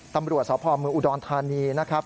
ตำรวจสอบพรมมืออุดรทานีนะครับ